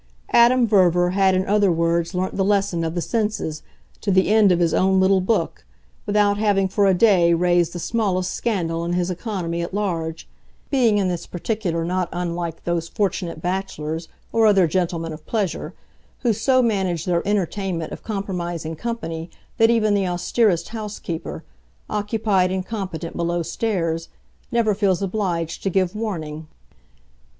Adam Verver had in other words learnt the lesson of the senses, to the end of his own little book, without having, for a day, raised the smallest scandal in his economy at large; being in this particular not unlike those fortunate bachelors, or other gentlemen of pleasure, who so manage their entertainment of compromising company that even the austerest housekeeper, occupied and competent below stairs, never feels obliged to give warning.